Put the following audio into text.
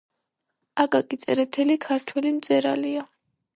აკაკი წერეთელი ქართველი მწერალია